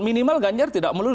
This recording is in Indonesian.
minimal ganjar tidak melurus